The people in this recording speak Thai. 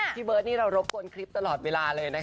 พี่เบิร์ตนี่เรารบกวนคลิปตลอดเวลาเลยนะคะ